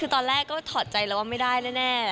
คือตอนแรกก็ถอดใจแล้วว่าไม่ได้แน่